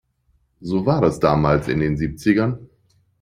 So war das damals in den Siebzigern.